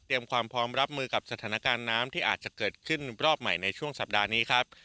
ความพร้อมรับมือกับสถานการณ์น้ำที่อาจจะเกิดขึ้นรอบใหม่ในช่วงสัปดาห์นี้ครับ